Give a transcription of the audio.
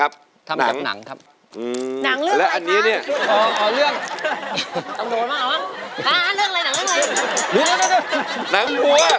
อะลองคุณป่าลอง